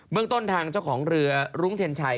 เมืองต้นทางเจ้าของเรือรุ้งเทียนชัย